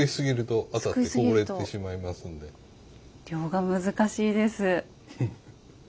量が難しいです。